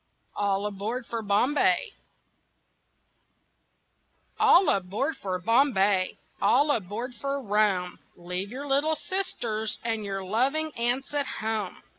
ALL ABOARD FOR BOMBAY All aboard for Bombay, All aboard for Rome! Leave your little sisters And your loving aunts at home.